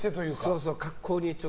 そうそう。